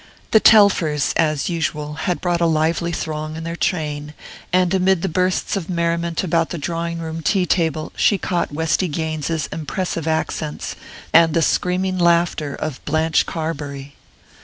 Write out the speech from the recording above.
The Telfers, as usual, had brought a lively throng in their train; and amid the bursts of merriment about the drawing room tea table she caught Westy Gaines's impressive accents, and the screaming laughter of Blanche Carbury....